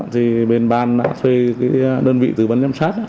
thì bên ban đã thuê đơn vị tử vấn giám sát